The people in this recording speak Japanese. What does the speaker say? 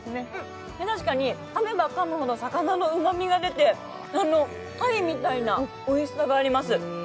確かに、かめばかむほど魚のうまみが出て鯛みたいなおいしさがあります。